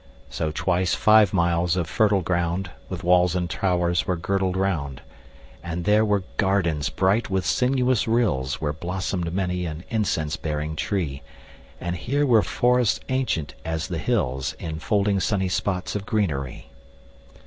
5 So twice five miles of fertile ground With walls and towers were girdled round: And there were gardens bright with sinuous rills Where blossom'd many an incense bearing tree; And here were forests ancient as the hills, 10 Enfolding sunny spots of greenery.